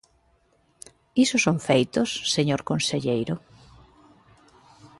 ¿Iso son feitos, señor conselleiro?